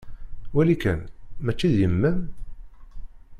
Wali kan! Mačči d yemma-m?